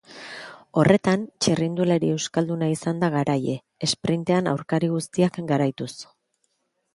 Horretan, txirrindulari euskalduna izan da garaile, esprintean aurkari guztiak garaituz.